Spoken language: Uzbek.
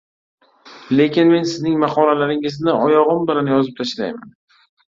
Lekin men sizning maqolalaringizni oyog‘im bilan yozib tashlayman!